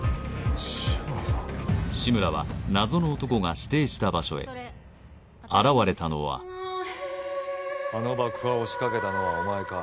志村さん志村は謎の男が指定した場所へ現れたのはあの爆破を仕掛けたのはお前か？